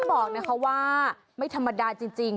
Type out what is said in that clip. แล้วต้องบอกว่าไม่ธรรมดาจริง